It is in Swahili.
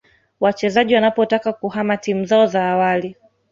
wachezaji wanapotaka kuhama timu zao za awali